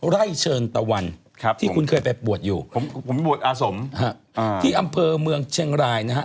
ไร่เชิญตะวันที่คุณเคยไปบวชอยู่ผมบวชอาสมที่อำเภอเมืองเชียงรายนะฮะ